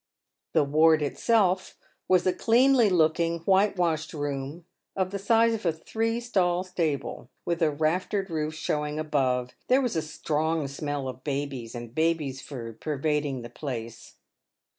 The ward itself was a cleanly looking, whitewashed room, of the size of a three stall stable, with a raftered roof showing above. There was a strong smell of babies and babies' food pervading the place.